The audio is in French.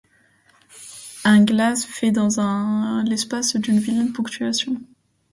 Un glas fait dans l’espace une vilaine ponctuation.